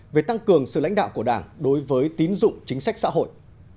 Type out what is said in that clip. về tăng cường sự lãnh đạo của đảng đối với tín dụng chính sách xã hội